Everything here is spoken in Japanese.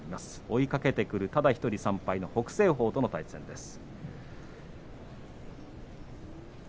追いかけるただ１人３敗の北青鵬との対戦です。